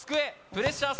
プレッシャー